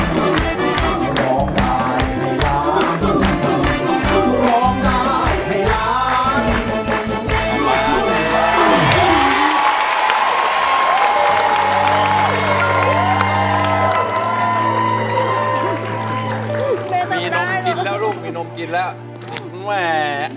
มีนมกินแล้วลูกมีนมกินแล้วแม่